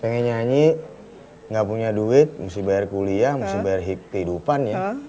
pengen nyanyi gak punya duit mesti bayar kuliah mesti bayar kehidupan ya